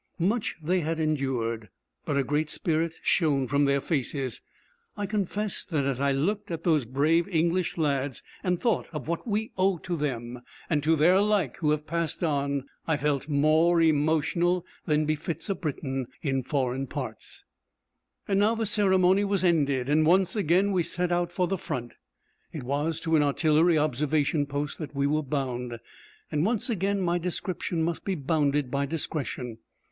Much they had endured, but a great spirit shone from their faces. I confess that as I looked at those brave English lads, and thought of what we owe to them and to their like who have passed on, I felt more emotional than befits a Briton in foreign parts. Now the ceremony was ended, and once again we set out for the front. It was to an artillery observation post that we were bound, and once again my description must be bounded by discretion.